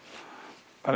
あれ？